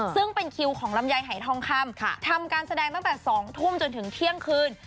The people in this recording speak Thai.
ซึ่งเป็นคิวของลำไยหายทองคำทำการแสดงตั้งแต่๒ทุ่มจนถึงเที่ยงคืน